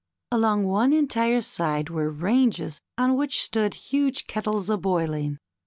Along one entire side were ranges on which stood huge kettles a boiling.